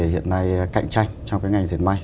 hiện nay cạnh tranh trong cái ngành diệt may